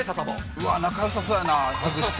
うわ、仲よさそうやな、ハグして。